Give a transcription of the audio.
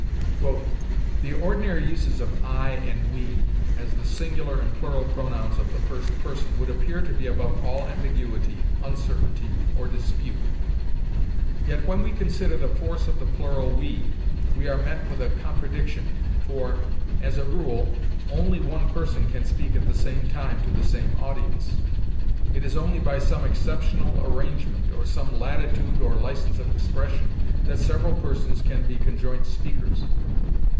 "The ordinary uses of 'I' and 'we,' as the singular and plural pronouns of the first person, would appear to be above all ambiguity, uncertainty, or dispute. Yet when we consider the force of the plural 'we,' we are met with a contradiction; for, as a rule, only one person can speak at the same time to the same audience. It is only by some exceptional arrangement, or some latitude or license of expression, that several persons can be conjoint speakers.